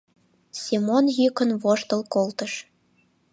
Семон йӱкын воштыл колтыш.